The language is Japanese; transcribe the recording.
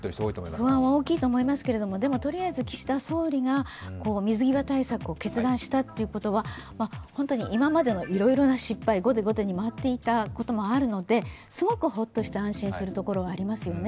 不安は大きいと思いますけれども、でも、とりあえず岸田総理が水際対策を決断したということは、本当に今までのいろいろな失敗、後手後手に回っていたこともあるので、すごくホッとして安心するところはありますよね。